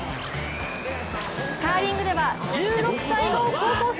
カーリングでは、１６歳の高校生。